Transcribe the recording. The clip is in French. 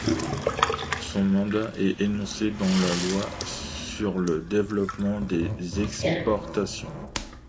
Son mandat est énoncé dans la Loi sur le développement des exportations.